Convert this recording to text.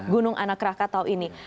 gunung anak rakatau ini